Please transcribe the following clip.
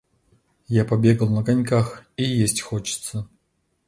Я побегал на коньках, и есть хочется.